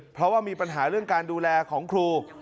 เพราะว่ามีปัญหาเรื่องการดูแลของครู